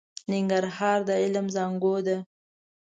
ننګرهار د علم زانګو ده.